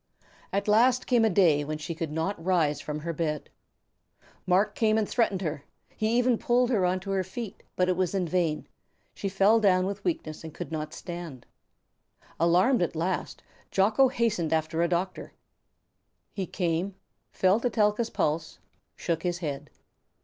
At last came a day when she could not rise from her bed. Marc came and threatened her, he even pulled her on to her feet, but it was in vain; she fell down with weakness and could not stand. Alarmed at last, Jocko hastened after a doctor. He came, felt Etelka's pulse, shook his head.